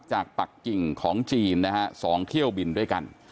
จากปักจิงของจีนนะฮะสองเที่ยวบินด้วยกัน